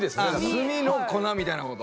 墨の粉みたいなこと？